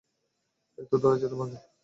এইতো, ধরেছি তোমাকে।